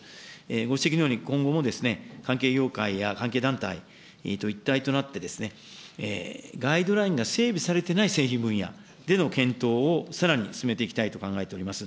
ご指摘のように、今後も関係業界や関係団体と一体となって、ガイドラインが整備されてない製品分野での検討をさらに進めていきたいと考えております。